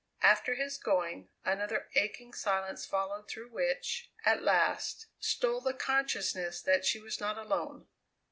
After his going another aching silence followed through which, at last, stole the consciousness that she was not alone.